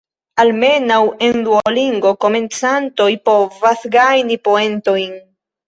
Almenaŭ en Duolingo, komencantoj povas gajni poentojn.